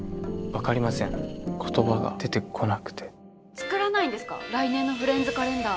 作らないんですか来年のフレンズカレンダー。